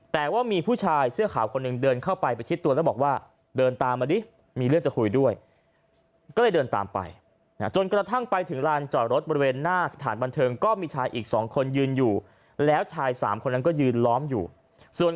แต่ว่ามีผู้ชายเสื้อขาวคนหนึ่งเดินเข้าไปไปชิดตัวแล้วบอกว่าเดินตามมาดิมีเรื่องจะคุยด้วย